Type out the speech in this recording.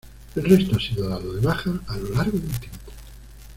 El resto ha sido dado de baja a lo largo del tiempo.